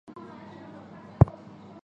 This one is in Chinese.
他隶属民主党籍。